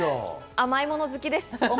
甘いもの好きです。